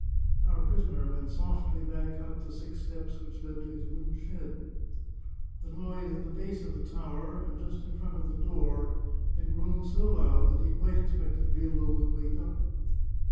Our prisoner went softly back up the six steps which led to his wooden shed. The noise at the base of the tower, and just in front of the door, had grown so loud that he quite expected Grillo would wake up.